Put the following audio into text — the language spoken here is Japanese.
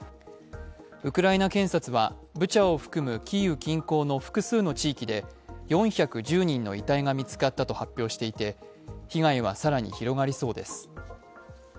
ウクライナ検察はブチャを含むキーウ近郊の複数の地域で４１０人の遺体が見つかったと発表していて被害は更に広がりそうです。